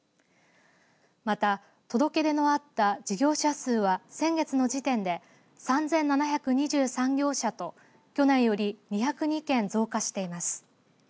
また、届け出のあった事業者数は先月の時点で３７２３業者と去年より２０２件増加しています。